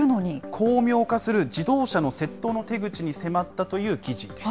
巧妙化する自動車の窃盗の手口に迫ったという記事です。